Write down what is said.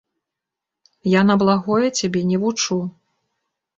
Я на благое цябе не вучу.